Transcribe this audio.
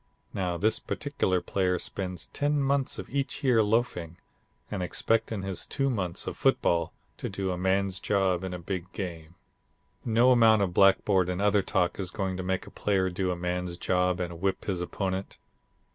Now this particular player spends ten months of each year loafing, and expects in his two months of football to do a man's job in a big game. "No amount of blackboard and other talk is going to make a player do a man's job and whip his opponent.